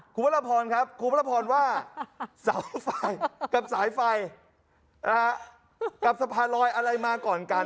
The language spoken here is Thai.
คุณพระราพรครับคุณพระพรว่าเสาไฟกับสายไฟกับสะพานลอยอะไรมาก่อนกัน